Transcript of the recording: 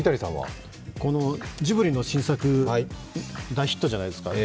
ジブリの新作、大ヒットじゃないですか。